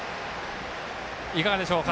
いかがでしょうか。